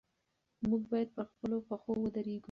موږ باید پر خپلو پښو ودرېږو.